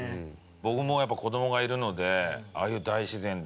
僕もやっぱ子どもがいるのでああいう大自然でね